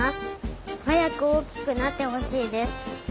はやくおおきくなってほしいです。